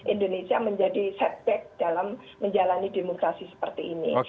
indonesia menjadi setback dalam menjalani demokrasi seperti ini